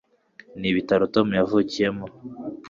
nibitaro tom yavukiyemo